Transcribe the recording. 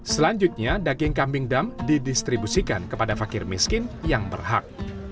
selanjutnya daging kambing dam didistribusikan kepada fakir miskin yang berhak